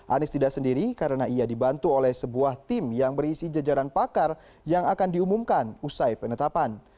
anies tidak sendiri karena ia dibantu oleh sebuah tim yang berisi jajaran pakar yang akan diumumkan usai penetapan